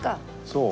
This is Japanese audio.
そう？